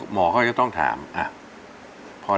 หมอเขาก็ต้องถามอ่ะพ่อเด็ก